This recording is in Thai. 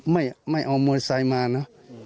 ไม่ไม่เอามวลไซด์มาเนอะ